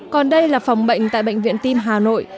còn đây là phòng bệnh tại bệnh viện tim hà nội